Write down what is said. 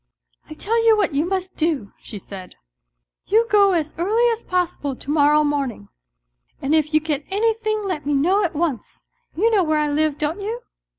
" I tell you what you must do," she said, "you go as early as possible to morrow morning, and if you get anything let me know at once. You know where I live, don't you